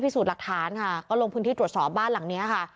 พิสูจน์หลักฐานค่ะก็ลงพื้นที่ตรวจสอบบ้านหลังนี้ค่ะ